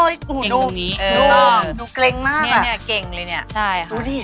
เนี่ยเก่งเลยเนี่ย